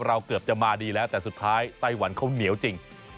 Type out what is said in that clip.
เกือบจะมาดีแล้วแต่สุดท้ายไต้หวันเขาเหนียวจริง